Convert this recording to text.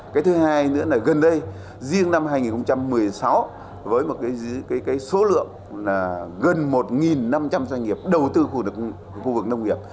cái thứ hai nữa là gần đây riêng năm hai nghìn một mươi sáu với một số lượng gần một năm trăm linh doanh nghiệp đầu tư khu vực nông nghiệp